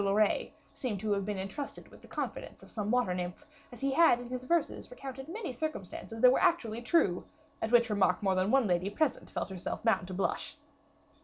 Loret, seemed to have been intrusted with the confidence of some water nymph, as he had in his verses recounted many circumstances that were actually true at which remark more than one lady present felt herself bound to blush.